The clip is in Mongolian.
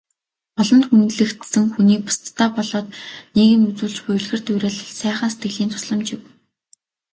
Олонд хүндлэгдсэн хүний бусдадаа болоод нийгэмд үзүүлж буй үлгэр дуурайл, сайхан сэтгэлийн тусламж юм.